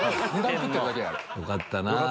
よかったなぁ。